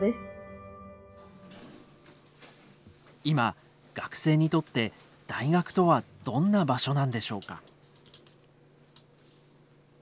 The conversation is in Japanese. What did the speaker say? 今学生にとって大学とはどんな場所なんでしょうか？